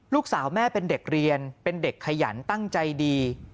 ลูกสาวแม่เป็นเด็กเรียนเป็นเด็กขยันตั้งใจดี